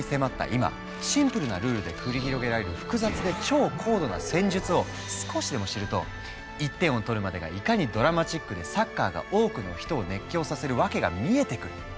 今シンプルなルールで繰り広げられる複雑で超高度な戦術を少しでも知ると１点を取るまでがいかにドラマチックでサッカーが多くの人を熱狂させるワケが見えてくる！